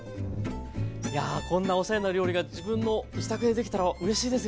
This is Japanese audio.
いやこんなおしゃれな料理が自分の自宅でできたらうれしいですよね。